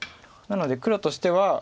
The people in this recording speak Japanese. なので黒としては。